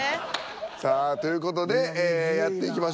さあという事でやっていきましょう。